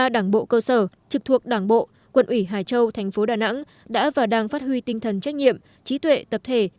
một mươi ba đảng bộ cơ sở trực thuộc đảng bộ quận ủy hải châu thành phố đà nẵng đã vào đảng phát huy tinh thần trách nhiệm trí tuệ tập thể